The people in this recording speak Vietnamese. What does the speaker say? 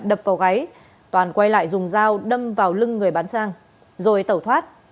đập vào gáy toàn quay lại dùng dao đâm vào lưng người bán sang rồi tẩu thoát